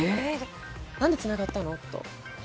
何でつながったの？と。